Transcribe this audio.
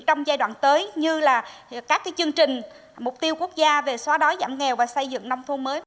trong giai đoạn tới như là các chương trình mục tiêu quốc gia về xóa đói giảm nghèo và xây dựng nông thôn mới